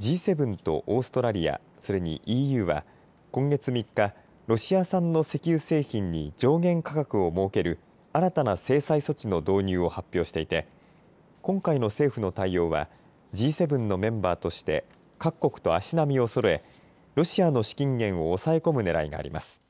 Ｇ７とオーストラリア、それにＥＵは今月３日、ロシア産の石油製品に上限価格を設ける新たな制裁措置の導入を発表していて今回の政府の対応はＧ７のメンバーとして各国と足並みをそろえロシアの資金源を抑え込むねらいがあります。